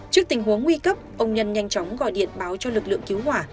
trước tình huống nguy cấp ông nhân nhanh chóng gọi điện báo cho lực lượng cứu hỏa